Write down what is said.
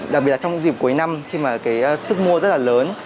đặc biệt là trong dịp cuối năm khi mà cái sức mua rất là lớn